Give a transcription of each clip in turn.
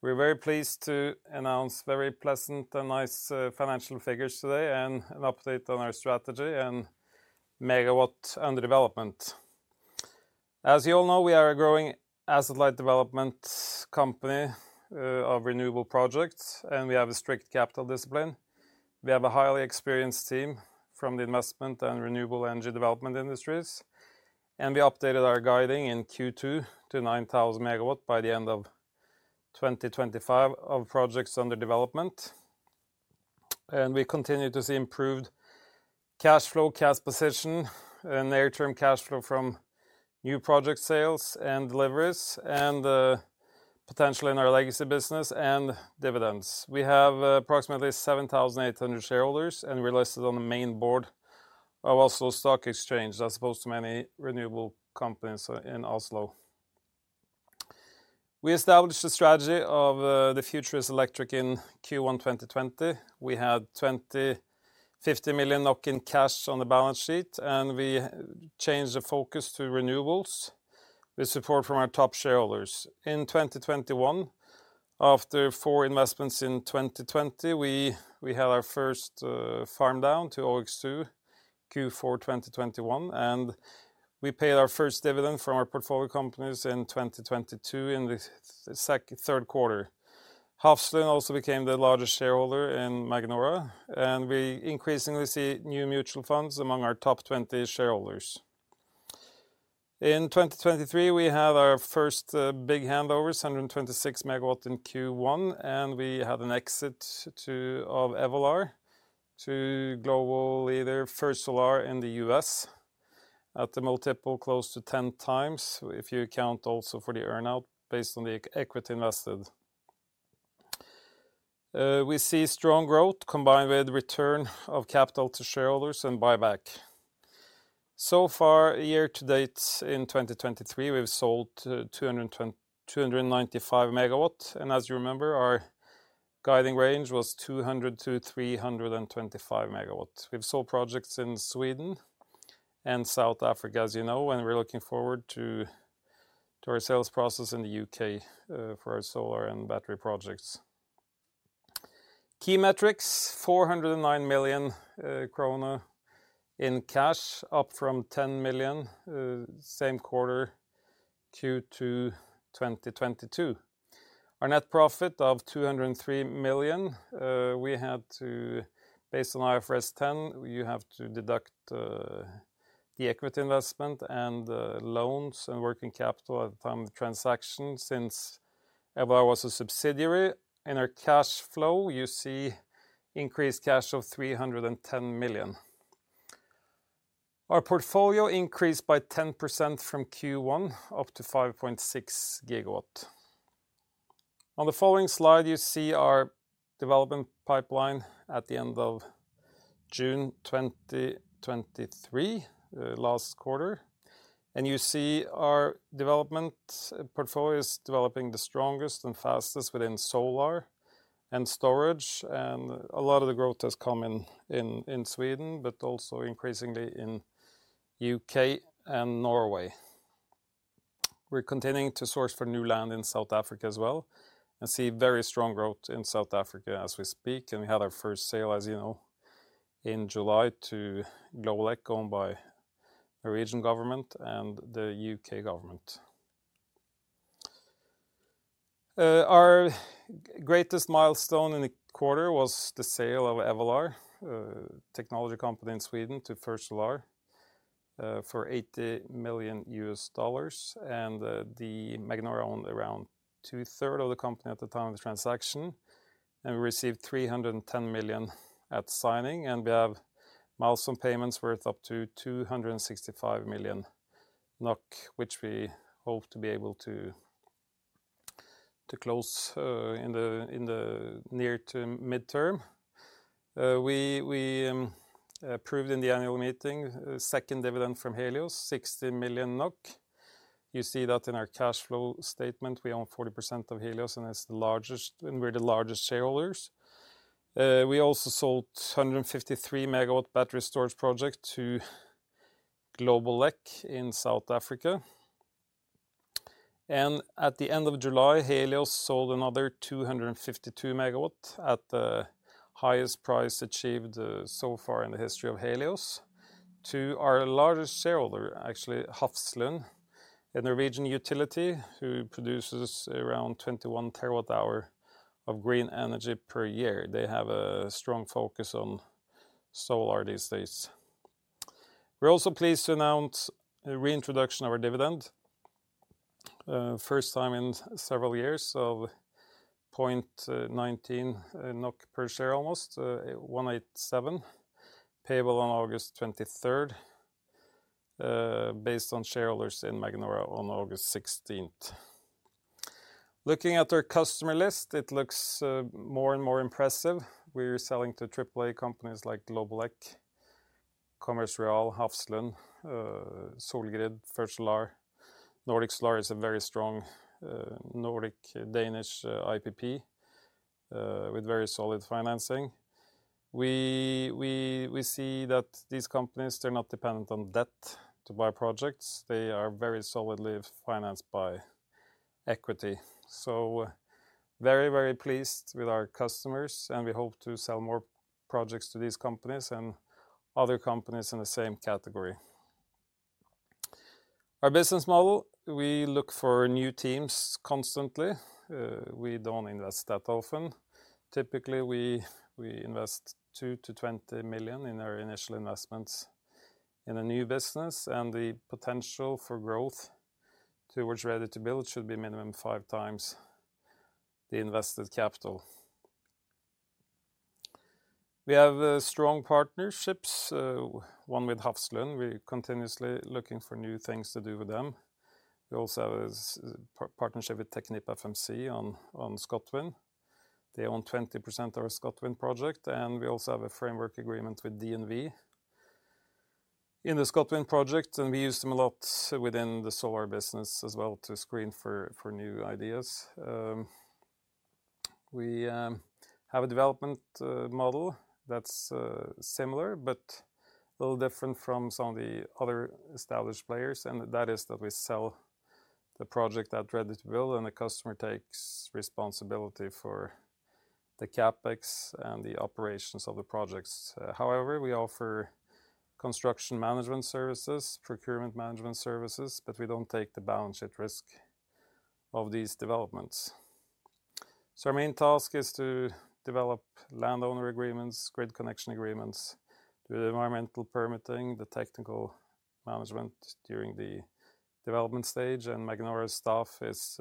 We're very pleased to announce very pleasant and nice financial figures today, and an update on our strategy, and MW under development. As you all know, we are a growing asset-light development company of renewable projects, and we have a strict capital discipline. We have a highly experienced team from the investment and renewable energy development industries, and we updated our guiding in Q2 to 9,000 MW by the end of 2025 of projects under development. We continue to see improved cash flow, cash position, and near-term cash flow from new project sales and deliveries, and potentially in our legacy business and dividends. We have approximately 7,800 shareholders, and we're listed on the main board of Oslo Stock Exchange, as opposed to many renewable companies in Oslo. We established a strategy of the future is electric in Q1 2020. We had 50 million NOK in cash on the balance sheet. We changed the focus to renewables with support from our top shareholders. In 2021, after four investments in 2020, we had our first farm-down to OX2, Q4 2021. We paid our first dividend from our portfolio companies in 2022, in the third quarter. Hafslund also became the largest shareholder in Magnora. We increasingly see new mutual funds among our top 20 shareholders. In 2023, we had our first big handovers, 126 MW in Q1. We had an exit of Evolar to global leader, First Solar in the U.S., at a multiple close to 10x, if you account also for the earn-out based on the equity invested. We see strong growth combined with return of capital to shareholders and buyback. Far, year to date in 2023, we've sold 295 MW. As you remember, our guiding range was 200-325 MW. We've sold projects in Sweden and South Africa, as you know. We're looking forward to our sales process in the U.K. for our solar and battery projects. Key metrics, 409 million krone in cash, up from 10 million same quarter, Q2 2022. Our net profit of 203 million, we had to, based on IFRS 10, you have to deduct the equity investment and loans and working capital at the time of the transaction, since Evolar was a subsidiary. In our cash flow, you see increased cash flow of 310 million. Our portfolio increased by 10% from Q1, up to 5.6 GW. On the following slide, you see our development pipeline at the end of June 2023, last quarter. You see our development portfolio is developing the strongest and fastest within solar and storage, and a lot of the growth has come in, in, in Sweden, but also increasingly in U.K. and Norway. We're continuing to source for new land in South Africa as well, and see very strong growth in South Africa as we speak, and we had our first sale, as you know, in July to Globeleq, owned by the region government and the U.K. government. Our greatest milestone in the quarter was the sale of Evolar, a technology company in Sweden, to First Solar for $80 million. Magnora owned around two-third of the company at the time of the transaction. We received 310 million at signing, and we have milestone payments worth up to 265 million NOK, which we hope to be able to close in the near to mid-term. We, we approved in the annual meeting, second dividend from Helios, 60 million NOK. You see that in our cash flow statement, we own 40% of Helios, we're the largest shareholders. We also sold 153-MW battery storage project to Globeleq in South Africa. At the end of July, Helios sold another 252 MW at the highest price achieved so far in the history of Helios, to our largest shareholder, actually, Hafslund, a Norwegian utility, who produces around 21 TW-hour of green energy per year. They have a strong focus on solar these days. We're also pleased to announce a reintroduction of our dividend, first time in several years, of 0.19 NOK per share, almost, 0.187, payable on August 23rd, based on shareholders in Magnora on August 16th. Looking at our customer list, it looks more and more impressive. We're selling to triple-A companies like Globeleq, Commerz Real, Hafslund, Solgrid, First Solar. Nordic Solar is a very strong, Nordic, Danish, IPP with very solid financing. We see that these companies, they're not dependent on debt to buy projects. They are very solidly financed by equity. Very, very pleased with our customers, we hope to sell more projects to these companies and other companies in the same category. Our business model, we look for new teams constantly. We don't invest that often. Typically, we invest 2-20 million in our initial investments in a new business, the potential for growth towards ready-to-build should be minimum 5 times the invested capital. We have strong partnerships, one with Hafslund. We're continuously looking for new things to do with them. We also have a partnership with TechnipFMC on ScotWind. They own 20% of our ScotWind project. We also have a framework agreement with DNV. In the ScotWind project, we use them a lot within the solar business as well, to screen for new ideas. We have a development model that's similar but a little different from some of the other established players, and that is that we sell the project at ready-to-build, and the customer takes responsibility for the CapEx and the operations of the projects. However, we offer construction management services, procurement management services, but we don't take the balance sheet risk of these developments. Our main task is to develop landowner agreements, grid connection agreements, do the environmental permitting, the technical management during the development stage, and Magnora staff is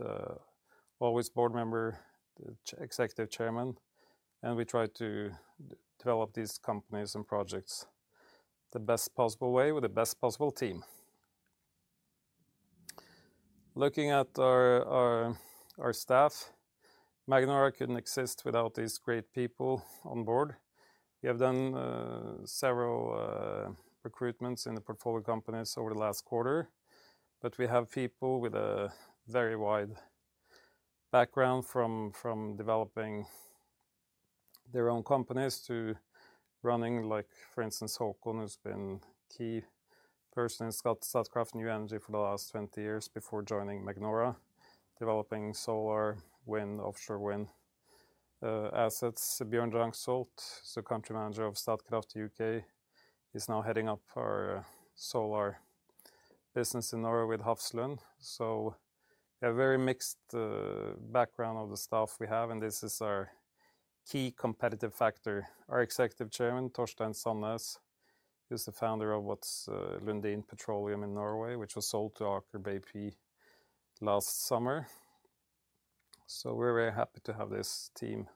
always board member, executive chairman, and we try to develop these companies and projects the best possible way, with the best possible team. Looking at our, our, our staff, Magnora couldn't exist without these great people on board. We have done several recruitments in the portfolio companies over the last quarter, but we have people with a very wide background, from, from developing their own companies to running, like, for instance, Haakon, who's been key person in Statkraft New Energy for the last 20 years before joining Magnora, developing solar, wind, offshore wind assets. Bjørn Drangsholt is the country manager of Statkraft U.K. He's now heading up our solar business in Norway with Hafslund. A very mixed background of the staff we have, and this is our key competitive factor. Our Executive Chairman, Torstein Sanness, is the founder of what's Lundin Energy in Norway, which was sold to Aker BP last summer. We're very happy to have this team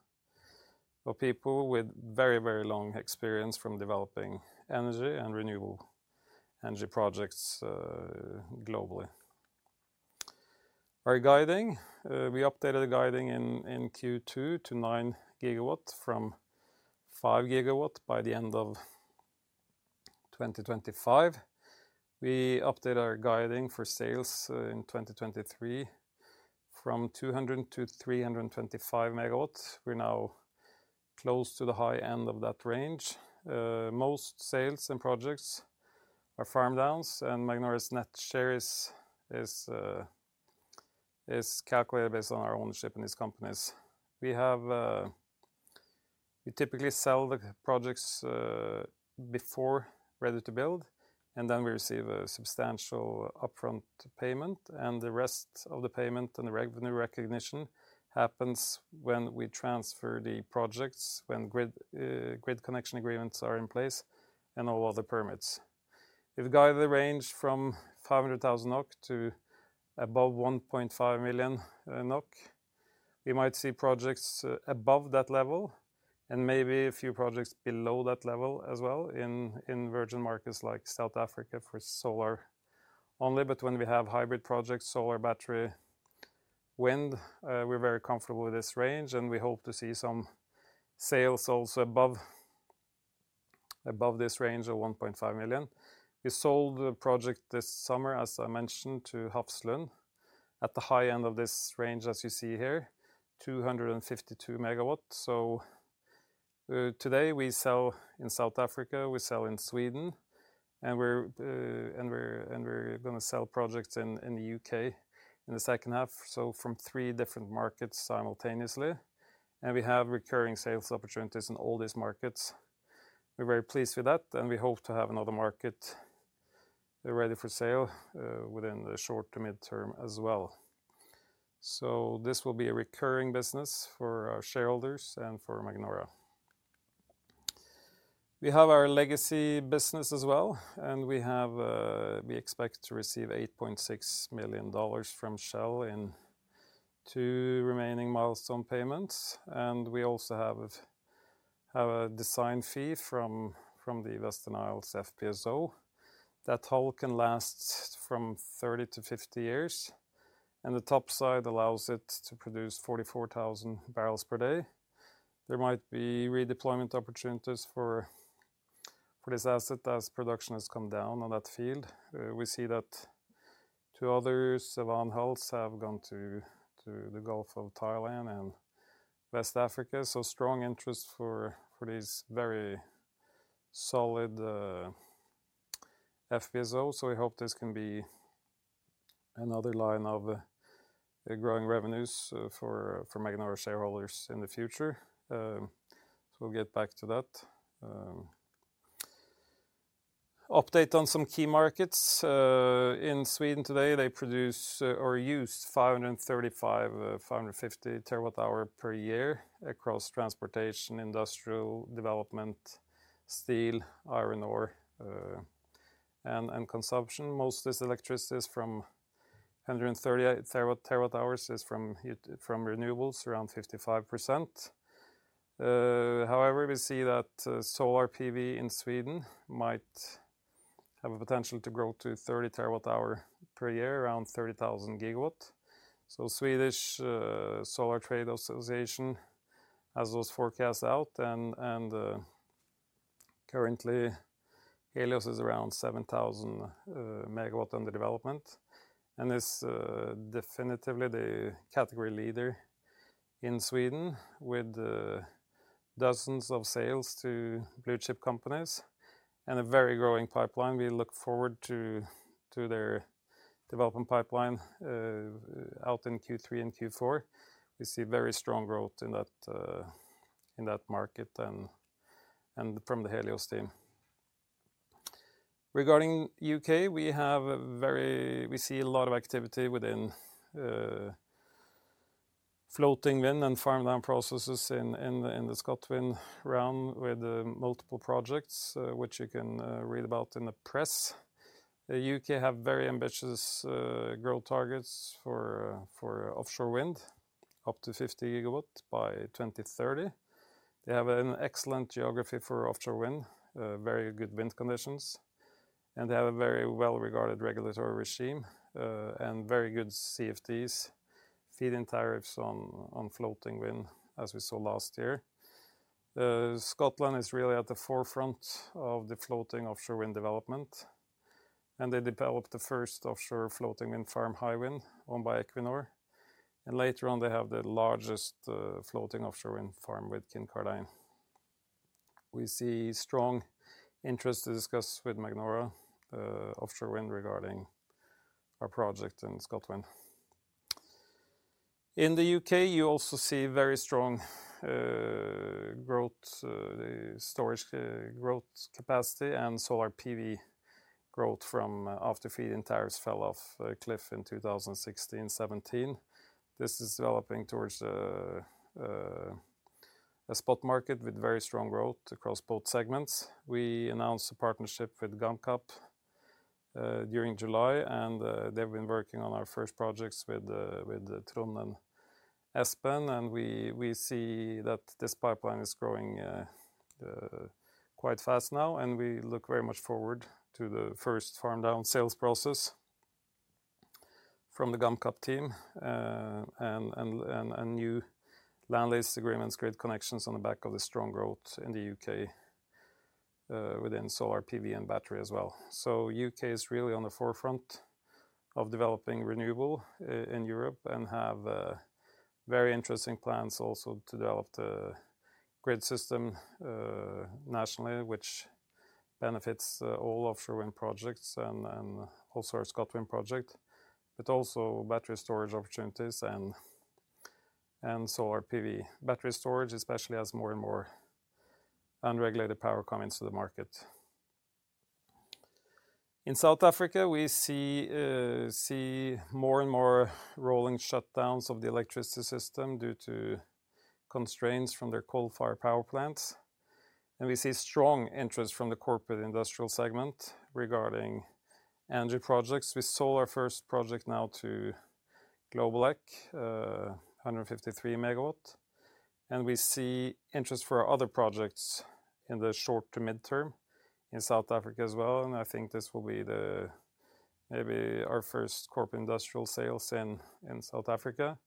of people with very, very long experience from developing energy and renewable energy projects globally. Our guiding, we updated the guiding in Q2 to 9 GW from 5 GW by the end of 2025. We updated our guiding for sales in 2023 from 200 to 325 MW. We're now close to the high end of that range. Most sales and projects are farm-downs, and Magnora's net shares is calculated based on our ownership in these companies. We typically sell the projects before ready-to-build, and then we receive a substantial upfront payment, and the rest of the payment and the revenue recognition happens when we transfer the projects, when grid connection agreements are in place and all other permits. We've guided the range from 500,000 to above 1.5 million. We might see projects above that level, and maybe a few projects below that level as well in, in virgin markets like South Africa, for solar only. When we have hybrid projects, solar, battery, wind, we're very comfortable with this range, and we hope to see some sales also above, above this range of 1.5 million. We sold a project this summer, as I mentioned, to Hafslund, at the high end of this range, as you see here, 252 MW. Today, we sell in South Africa, we sell in Sweden, and we're gonna sell projects in, in the U.K. in the second half, so from three different markets simultaneously, and we have recurring sales opportunities in all these markets. We're very pleased with that. We hope to have another market ready for sale within the short to mid-term as well. This will be a recurring business for our shareholders and for Magnora. We have our legacy business as well. We expect to receive $8.6 million from Shell in two remaining milestone payments, and we also have a design fee from the Western Isles FPSO. That hull can last from 30 to 50 years, and the top side allows it to produce 44,000 barrels per day. There might be redeployment opportunities for this asset, as production has come down on that field. We see that two other Sevan hulls have gone to the Gulf of Thailand and West Africa. Strong interest for these very solid FPSO. We hope this can be another line of growing revenues for Magnora shareholders in the future. We'll get back to that. Update on some key markets. In Sweden today, they produce or use 535, 550 TW-hour per year across transportation, industrial, development, steel, iron ore, and consumption. Most of this electricity is from 138 TW-hours is from renewables, around 55%. However, we see that solar PV in Sweden might have a potential to grow to 30 TW-hour per year, around 30,000 GW. Swedish Solar Trade Association has those forecasts out, and currently, Helios is around 7,000 MW under development, and is definitively the category leader in Sweden, with dozens of sales to blue chip companies and a very growing pipeline. We look forward to their development pipeline out in Q3 and Q4. We see very strong growth in that market and from the Helios team. Regarding U.K., we have a very. We see a lot of activity within floating wind and farmland processes in the Scotland round, with multiple projects which you can read about in the press. The U.K. have very ambitious growth targets for offshore wind, up to 50 GW by 2030. They have an excellent geography for offshore wind, very good wind conditions, and they have a very well-regarded regulatory regime, and very good CfDs, feed-in tariffs on floating wind, as we saw last year. Scotland is really at the forefront of the floating offshore wind development. They developed the first offshore floating wind farm, Hywind, owned by Equinor. Later on, they have the largest floating offshore wind farm with Kincardine. We see strong interest to discuss with Magnora Offshore Wind regarding our project in Scotland. In the U.K., you also see very strong growth, storage, growth capacity, and solar PV growth from after feed-in tariffs fell off a cliff in 2016, 2017. This is developing towards a, a spot market with very strong growth across both segments. We announced a partnership with Gamcap, during July, they've been working on our first projects with the, with the Tron and Espen, and we, we see that this pipeline is growing, quite fast now, and we look very much forward to the first farm-down sales process from the Gamcap team. New land lease agreements, grid connections on the back of the strong growth in the U.K., within solar PV and battery as well. U.K. is really on the forefront of developing renewable in Europe, and have, very interesting plans also to develop the grid system, nationally, which benefits, all offshore wind projects and, and also our Scotland project, but also battery storage opportunities and, and solar PV. Battery storage, especially, as more and more unregulated power come into the market. In South Africa, we see more and more rolling shutdowns of the electricity system due to constraints from their coal-fired power plants, and we see strong interest from the corporate industrial segment regarding energy projects. We sold our first project now to Globeleq, 153 MW, and we see interest for our other projects in the short to mid-term in South Africa as well, and I think this will be the... maybe our first corporate industrial sales in, in South Africa.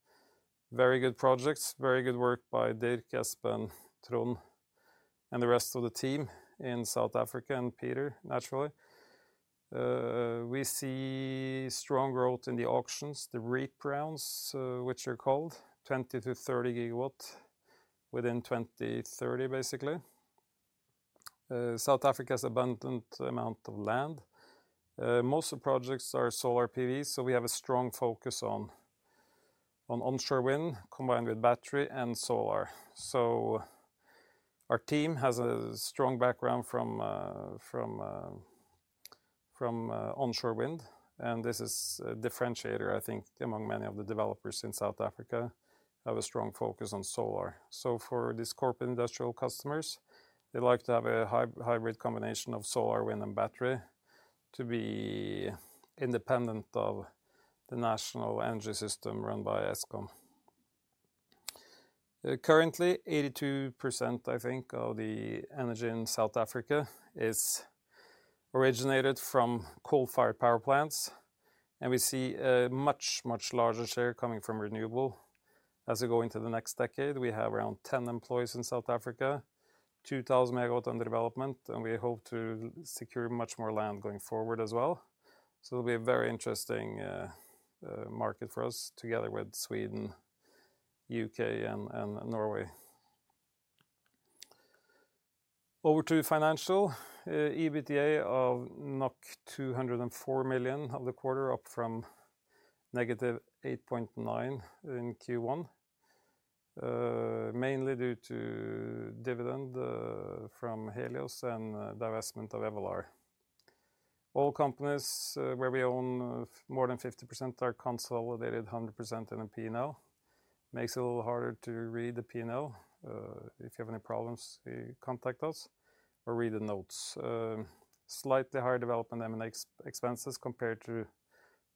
Very good projects. Very good work by Dirk, Espen, Tron, and the rest of the team in South Africa, and Peter, naturally. We see strong growth in the auctions, the REIPPPP rounds, which are called 20-30 GW, within 2030, basically. South Africa has abundant amount of land. Most of the projects are solar PV, we have a strong focus on onshore wind, combined with battery and solar. Our team has a strong background from onshore wind, and this is a differentiator, I think, among many of the developers in South Africa, have a strong focus on solar. For these corporate industrial customers, they like to have a hybrid combination of solar, wind, and battery to be independent of the national energy system run by Eskom. Currently, 82%, I think, of the energy in South Africa originated from coal-fired power plants, and we see a much, much larger share coming from renewable. As we go into the next decade, we have around 10 employees in South Africa, 2,000 MW under development, and we hope to secure much more land going forward as well. It'll be a very interesting market for us, together with Sweden, U.K., and Norway. Over to financial. EBITDA of 204 million of the quarter, up from -8.9 in Q1. mainly due to dividend from Helios and divestment of Evolar. All companies where we own more than 50% are consolidated 100% in the P&L. Makes it a little harder to read the P&L. If you have any problems, contact us or read the notes. Slightly higher development M&A ex-expenses compared to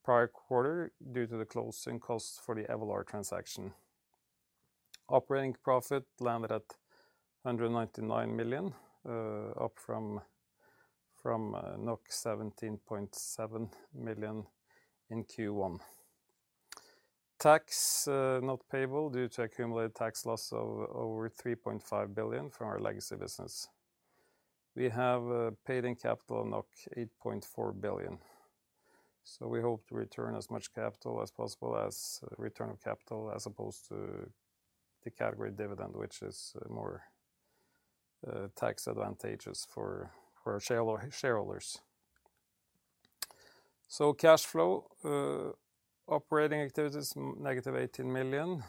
prior quarter, due to the closing costs for the Evolar transaction. Operating profit landed at 199 million, up from, from 17.7 million in Q1. Tax not payable due to accumulated tax loss of over 3.5 billion from our legacy business. We have paid in capital 8.4 billion. We hope to return as much capital as possible as return of capital, as opposed to the category dividend, which is more tax advantageous for, for shareholder, shareholders. Cash flow operating activities, negative 18 million,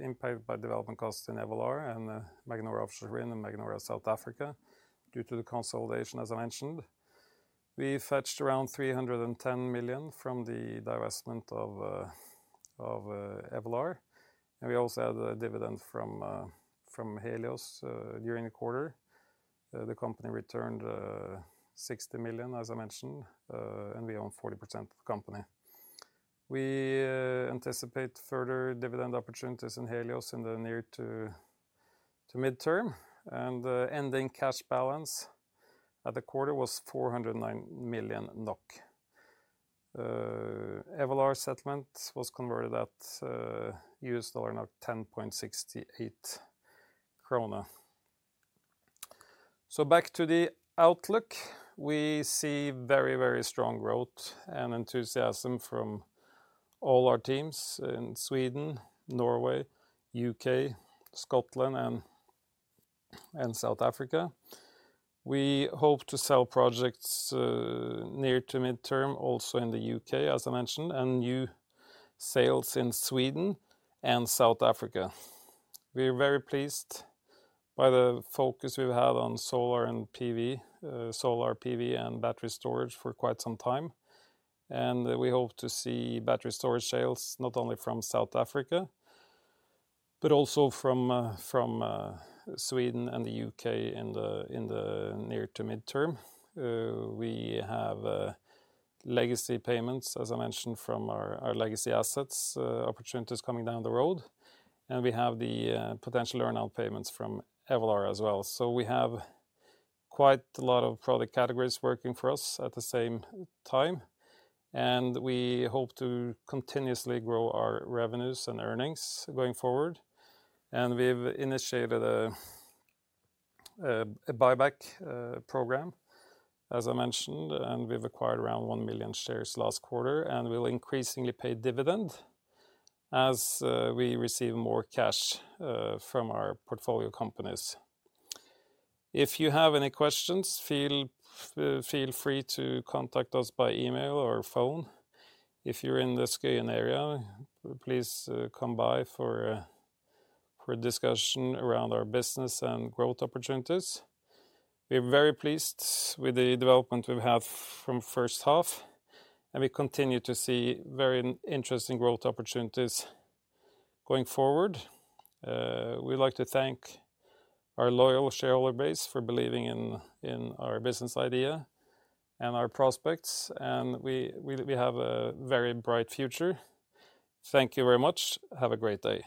impacted by development costs in Evolar and Magnora Offshore Wind and Magnora South Africa, due to the consolidation, as I mentioned. We fetched around 310 million from the divestment of, of Evolar, and we also had a dividend from Helios during the quarter. The company returned 60 million, as I mentioned, we own 40% of the company. We anticipate further dividend opportunities in Helios in the near to midterm, ending cash balance at the quarter was 409 million NOK. Evolar settlement was converted at the U.S. dollar, NOK 10.68. Back to the outlook. We see very, very strong growth and enthusiasm from all our teams in Sweden, Norway, U.K., Scotland, and South Africa. We hope to sell projects near to midterm, also in the U.K., as I mentioned, and new sales in Sweden and South Africa. We're very pleased by the focus we've had on Solar and PV, Solar PV and battery storage for quite some time. We hope to see battery storage sales not only from South Africa, but also from Sweden and the U.K. in the near to midterm. We have legacy payments, as I mentioned, from our legacy assets, opportunities coming down the road. We have the potential earn-out payments from Evolar as well. We have quite a lot of product categories working for us at the same time. We hope to continuously grow our revenues and earnings going forward. We've initiated a buyback program, as I mentioned. We've acquired around 1 million shares last quarter. We'll increasingly pay dividend as we receive more cash from our portfolio companies. If you have any questions, feel, feel free to contact us by email or phone. If you're in the Skøyen area, please, come by for a, for a discussion around our business and growth opportunities. We're very pleased with the development we've had from first half, and we continue to see very interesting growth opportunities going forward. We'd like to thank our loyal shareholder base for believing in our business idea and our prospects, and we, we have a very bright future. Thank you very much. Have a great day.